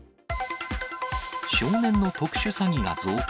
少年の特殊詐欺が増加。